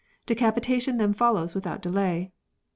Decapitation then follows without delay.